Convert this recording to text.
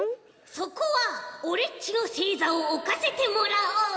そこはオレっちのせいざをおかせてもらおう！